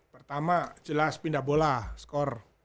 pertama jelas pindah bola skor